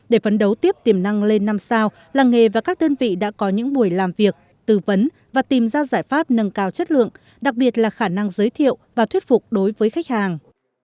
để phấn đấu tiếp tiềm năng lên năm sao làng nghề và các đơn vị đã có những buổi làm việc tư vấn và tìm ra giải pháp nâng cao chất lượng đặc biệt là khả năng giới thiệu và thuyết phục đối với khách hàng